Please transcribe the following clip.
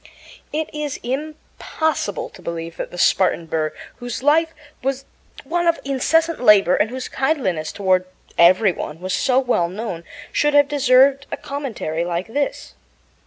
It is impossible to believe that the Spartan Burr, whose life was one of incessant labor and whose kindliness toward every one was so well known, should have deserved a commentary like this.